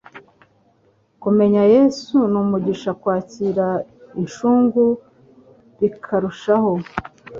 kumenya yesu numugisha kwakira inshungu bikarushaho